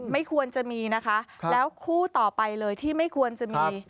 ไม่ควรจะมีนะคะแล้วคู่ต่อไปเลยที่ไม่ควรจะมี